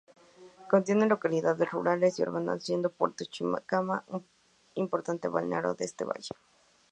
Contiene localidades rurales y urbanas, siendo Puerto Chicama un importante balneario de este valle.